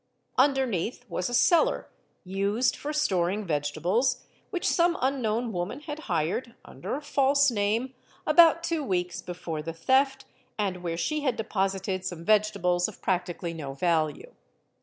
Underneath was a cellar used for storing vegetables which some unknown woman had hired, under a false name, about two weeks before the theft and where she had deposited some vegetables of practically no value.